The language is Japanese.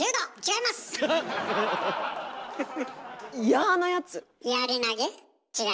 矢のやつ！